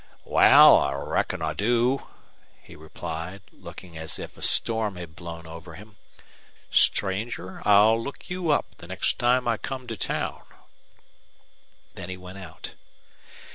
"Wal, I reckon I do," he replied, looking as if a storm had blown over him. "Stranger, I'll look you up the next time I come to town." Then he went out.